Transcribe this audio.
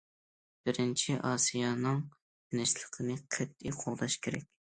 بىرىنچى، ئاسىيانىڭ تىنچلىقىنى قەتئىي قوغداش كېرەك.